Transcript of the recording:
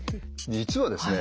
実はですね